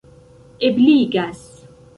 ebligas